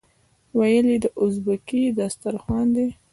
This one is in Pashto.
ویل یې دا ازبکي دسترخوان دی.